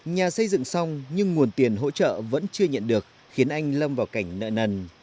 nhà xây dựng xong nhưng nguồn tiền hỗ trợ vẫn chưa nhận được khiến anh lâm vào cảnh nợ nần